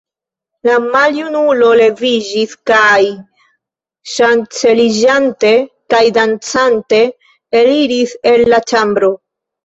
La maljunulo leviĝis kaj, ŝanceliĝante kaj dancante, eliris el la ĉambro.